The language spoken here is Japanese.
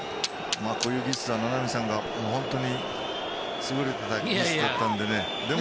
こういう技術は名波さんが本当に優れていましたので。